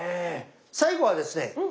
最後はですね